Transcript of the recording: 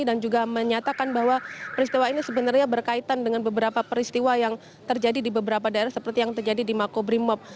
dan juga menyatakan bahwa peristiwa ini sebenarnya berkaitan dengan beberapa peristiwa yang terjadi di beberapa daerah seperti yang terjadi di makobrimob